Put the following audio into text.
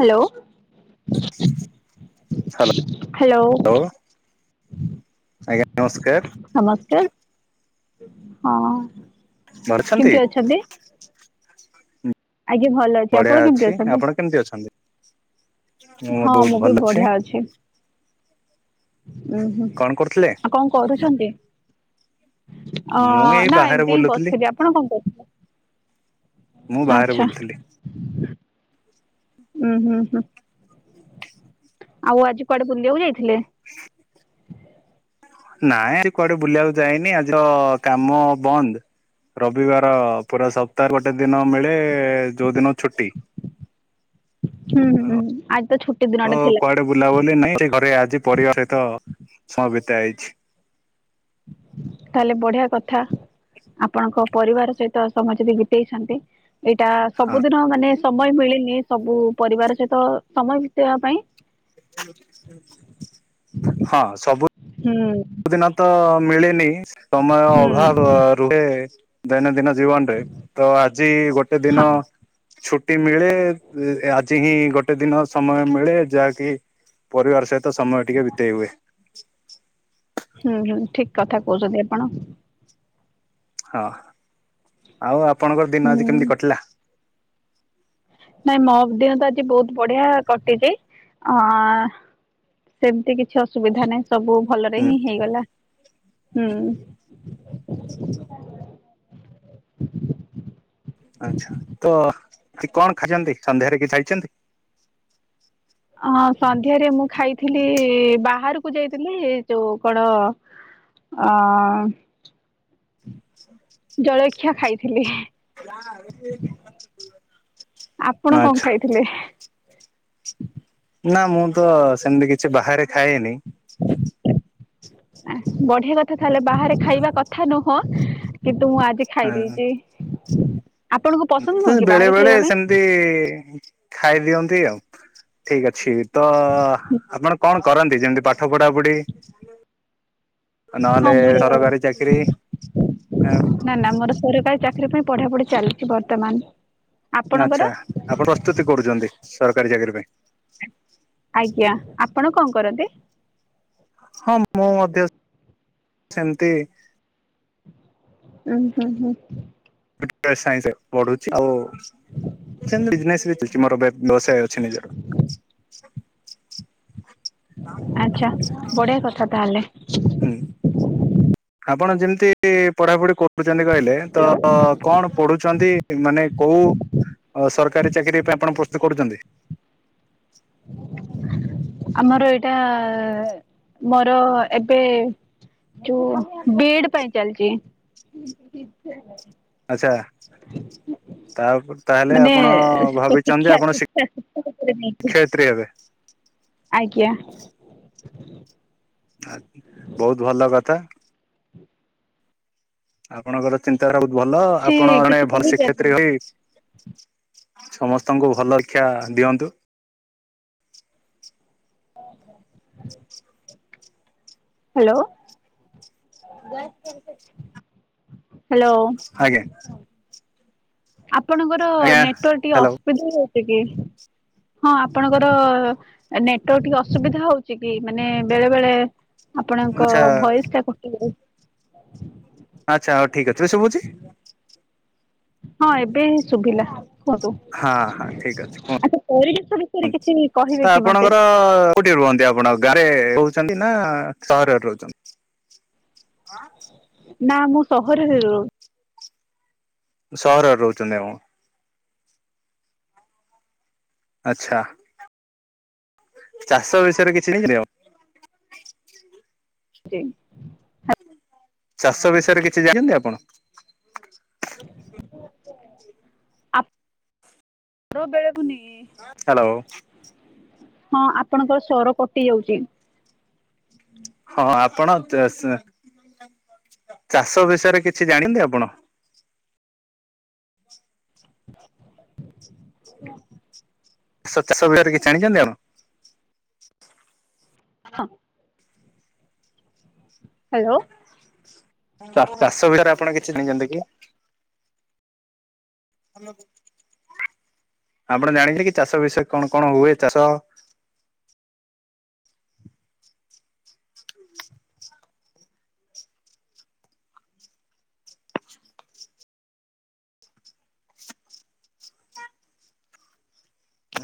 Hello hello ଲୋ ଆଜ୍ଞା [inaudible] ନମସ୍କାର ହଁ କେମିତି ଅଛନ୍ତି ଆଜ୍ଞା ଭଲ ଅଛି ଆପଣ ବଢିଆ କେମିତି ଅଛି ଅଛନ୍ତି? ଆପଣ କେମିତି ଅଛନ୍ତି ମ ହଁ ମୁଁ ବହୁତ ବି ଭଲ ଅଛି। ବଢିଆ ଉୁଁ ହୁଁ କଣ କରୁଥିଲେ? ଆଉ କଣ କରୁଛନ୍ତି ଅ ମୁଁ ଏଇ ନା ବାହାରେ ଏମତି ହିଁ ବୁଲୁଥିଲି ବସିଥିଲି ଆପଣ କଣ କରୁଛନ୍ତି। ମୁଁ ବାହାରେ ବୁଲୁଥିଲି। ଉୁଁ ହୁଁ ହୁଁ ଆଉ ଆଜି କୁଆଡେ ବୁଲିବାକୁ ଯାଇଥିଲେ। ନାହିଁ ଆଜି କୁଆଡେ ବୁଲିବାକୁ ଯାଇନି ଆଜିର କାମ ବନ୍ଦ। ରବିବାର ପୁରା ସପ୍ତାହ ଗୋଟେ ଦିନ ମିଳେ ଯୋଉ ଦିନ ଛୁଟି। ହୁଁ ହୁଁ ଆଜି ତ ଛୁ ହ କୁଆଡେ ବୁଲାବୁଲି ନାହଁ ସେ ଘରେ ଆଜି ପରିବା ସହିତ ସ ବିତାଇଛି। ତାହେଲେ ବଢିଆ କଥା ଆପଣଙ୍କ ପରିବାର ସହିତ ସମୟ ବିତାଇଛନ୍ତି। ଏଇଟା ହଁ ସବୁଦିନ ମାନେ ସମୟ ମିଳିନି ସବୁ ପରିବାର ସହିତ ସମୟ ବିତେଇବା ପାଇଁ ହଁ ସବୁ ହୁଁ ସବୁ ଦିନ ତ ମିଳେନି ସମୟ ଅଭାବ ହୁଁ ରୁହେ ଦୈନଦିନ ଜୀବନରେ ତ ଆଜି ଗୋଟେ ହଁ ଦିନ ଛୁଟି ମିଳେ ଆଜି ହିଁ ଗୋଟେ ଦିନ ସମୟ ମିଳେ ଯାହାକି ପରିବାର ସହିତ ସମୟ ଟିକେ ବିତେଇ ହୁଏ। ହୁଁ ହୁଁ ଠିକ କଥା କହୁଛନ୍ତି ଆପଣ। ହଁ ଆଉ ଆପଣଙ୍କର ଦିନ ହୁଁ ଆଜି କେମିତି କଟିଲା? ନାଇଁ ମୋ ଦେହ ତ ଆଜି ବହୁତ ବଢିଆ କଟିଛି ଆଆ ସେମତି କିଛି ଅସୁବିଧା ନାହିଁ ସବୁ ଭଲରେ ହୁଁ ହିଁ ହେଇଗଲା। ହୁଁ ଆଚ୍ଛା ତ କଣ ଖାଇଛନ୍ତି ସନ୍ଧ୍ୟାରେ କିଛି ଖାଇଛନ୍ତି? ହଁ ସନ୍ଧ୍ୟାରେ ମୁଁ ଖାଇଥିଲି ବାହାରକୁ ଯାଇଥିଲି ଯୋଉ କଣ ଆଆଆ ହଁ [inaudible] କ୍ଷା ଖାଇଥିଲି ନା [unintelligible] ଆପଣ କଣ ଖାଇଥିଲେ? ନା ମୁଁ ତ ସେମିତି କିଛି ବାହାରେ ଖାଏନି। ବଢିଆ କଥା ତାହେଲେ ବାହାରେ ଖାଇବା କଥା ନୁହଁ କି ନ୍ତୁ ମୁ ଆଜି ଖାଇ ଦେଇଚି। ବେଳେ ବେଳେ ସେମିତି ଖାଇ ଦିଅନ୍ତି ଆଉ ଠିକ ଅଛି ତ ଆପଣ କଣ କରନ୍ତି ଯେମିତି ପାଠ ପଢାପଢି ହଁ ମୋର ଚାକିରି ନା ନା ମୋର ସରକାର ଚାକି ରି ପାଇଁ ପଢାପଢି ଚାଲିଛି ବର୍ତ୍ତମାନ। ଆପଣଙ୍କର ଆଚ୍ଛା ଆପଣ ପ୍ରସ୍ତୁତି କରୁଛନ୍ତି ସରକାରୀ ଚାକିରି ପାଇଁ ଆଜ୍ଞା ଆପଣ କଣ କରନ୍ତି? ହଁ ମୁଁ ମଧ୍ୟ ସେମିତି ଉଁ ହୁଁ ହୁଁ ଇଟା ସାଇସି ପଢୁଛି ଆଉ। ସେମିତି ବିଜିନେଶ୍ ବି ଚିଷ୍ଟି ମୋର ଵବ୍ୟ ବ୍ୟବସାୟ ଅଛି ନିଜର। [inaudible] ଆଛା ବଢିଆ କଥା ତାହଲେ। ହୁଁ ଆପଣ ଯେମିତି ପଢାପଢି କରୁ ପଢୁଛନ୍ତି କହିଲେ ତ କଣ ପଢୁଛନ୍ତି ମାନେ କୋଉ ଅ ସରକାରୀ ଚାକିରିୀ ପାଇଁ ଆପଣ ପ୍ରସ୍ତୁତ୍ କରୁଚନ୍ତି। ଆମର ଏଇଟା ମୋର ଏବେ ଚୁ ବିଇଡି ପାଇଁ ଚାଲିଚି। ଆଚ୍ଛା ତା [inaudible] ତାହେଲେ ମାନେ ଆପଣ ଭାବିଛନ୍ତି ଯେ ଶିକ୍ଷା ଆପଣ ଶିକ୍ଷା ଶିକ୍ଷା କ୍ଷେତ୍ରରେ ନେଇକି। ଶିକ୍ଷୟତ୍ରୀ ହେବେ। ଆଜ୍ଞା। ଆତ୍ ବହୁତ୍ ଭଲ କଥା। ଆପଣଙ୍କର ଚିନ୍ତାଧାରା ବହୁତ୍ ଭଲ ସେ ଆପଣ ଜଣେ କିଛି ଭଲ କହିବେ ଆପଣ ଶିକ୍ଷୟତ୍ରୀ ହୋଇ ସମସ୍ତଙ୍କୁ ଭଲ ଆକ୍ଷା ଦିଅନ୍ତୁ। ହାଲୋ। [unintelligible] ଆଜ୍ଞା। ଆପଣଙ୍କର ଆଜ୍ଞା ନେଟୱାର୍କ ଟିକେ ହ୍ୟାଲୋ ଅସୁବିଧା ହେଉଛି କି? ହଁ ଆପଣଙ୍କର ନେଟୱର୍କ ଟିକେ ଅସୁବିଧା ହଉଛି କି ମାନେ ବେଳେ ବେଳେ ଆପଣଙ୍କ ଆଚ୍ଛା ଭଏସ ଟା କଟି ଯାଉଛି। ଆଚ୍ଛା ହଉ ଠିକ ଅଛି ଏବେ ଶୁଭୁଛି? ହଁ ଏବେ ଶୁଭିଲା। କୁହନ୍ତୁ ହଁ ହଁ ଠିକ ଅଛି କୁହ ଆଛା ପରିବେଶ ବିଷୟରେ କିଛି ତ କହିବେ କି ମତେ? ଆପଣଙ୍କର କୋଉଠି ରୁହନ୍ତି ଆପଣଙ୍କ ଆଉ ଗାଁରେ ରହୁଛନ୍ତି ନା ସହରରେ ରହୁଛନ୍ତି? ନା ମୁଁ ସହରରେ ରହୁ ସହରରେ ରହୁଛନ୍ତି ଆଉଁ। ଆଚ୍ଛା। ଚାଷ ବିଷୟରେ କିଛି [inaudible] ଣିପାରିବ ରି। ଚାଷ ବିଷୟରେ କିଛି ଜାଣିଛନ୍ତି ଆପଣ? ଆରୋ ବେଗୁନି। ହାଲୋ। ହଁ ଆପଣଙ୍କର ସ୍ବର କଟି ଯାଉଛି। ହଁ ଆପଣ ତସ୍ ଚାଷ ବିଷୟରେ କିଛି ଜାଣିଛନ୍ତି ଆପଣ? [inaudible] ଚାଷ ଚାଷ ବିଷୟରେ କିଛି ଜାଣିଛନ୍ତି ଆପଣ? ହଁ। ହାଲୋ। ଚା-ଚାଷ ଭିତରେ ଆପଣ କିଛି ଜାଣିଇଛନ୍ତି କି? [inaudible] ଆପଣ ଜାଣିଥିଲେ କି ଚାଷ ବିଷୟରେ କଣ କଣ ହୁଏ ଚାଷ?